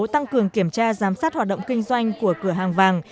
tăng cường kiểm tra giám sát hoạt động kinh doanh của cửa hàng vàng